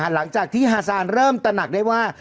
หลังจากที่ฮาซานเริ่มตระหนักได้ว่า